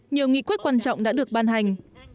nhiều nghị quyết quan trọng đã được ban hành